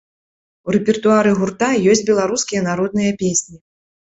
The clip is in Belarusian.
У рэпертуары гурта ёсць беларускія народныя песні.